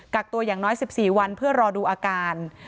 กักตัวอย่างน้อย๑๔วันเพื่อรอดูอาการ